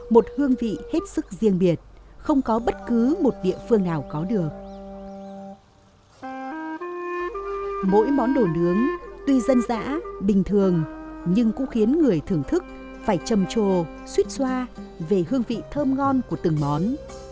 mỗi món đồ nướng tuy dân dã bình thường nhưng cũng khiến người thưởng thức phải trầm trồ suýt xoa về hương vị thơm ngon của từng món